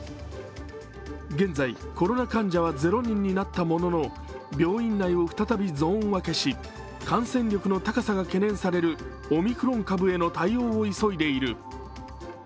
現在、コロナ患者は０人になったものの病院内を再びゾーン分けし感染力の高さがうかがえるオミクロン株への対応を急いでいる。